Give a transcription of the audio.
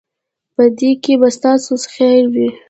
په دې کې به ستاسو خیر وي.